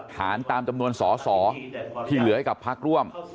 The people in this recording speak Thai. ฐานตามจำนวนสอที่เหลือกับภักดิ์ร่วม